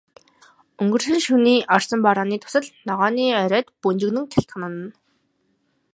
Өнгөрсөн шөнийн орсон борооны дусал ногооны оройд бөнжгөнөн гялтганана.